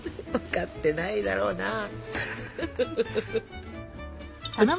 わかってないだろうなあ。